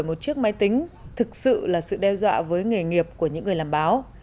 và một chiếc máy tính thực sự là sự đeo dọa với nghề nghiệp của những người làm báo